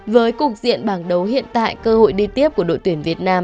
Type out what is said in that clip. với cục diện bảng đấu hiện tại cơ hội đi tiếp của đội tuyển việt nam